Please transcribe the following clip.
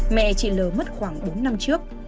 mẹ chị lở mất khoảng bốn năm trước